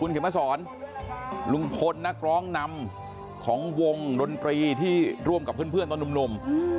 คุณเข็มมาสอนลุงพลนักร้องนำของวงนตรีที่ร่วมกับเพื่อนเพื่อนตอนลม